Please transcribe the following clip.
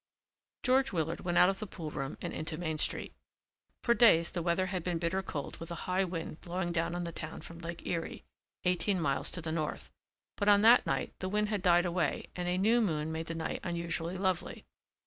George Willard went out of the pool room and into Main Street. For days the weather had been bitter cold with a high wind blowing down on the town from Lake Erie, eighteen miles to the north, but on that night the wind had died away and a new moon made the night unusually lovely.